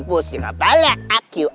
pusing apa lah akyu